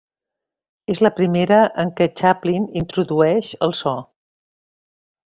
És la primera en què Chaplin introdueix el so.